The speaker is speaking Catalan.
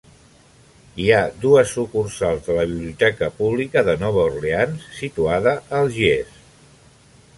Hi ha dues sucursals de la Biblioteca Pública de Nova Orleans situada a Algiers.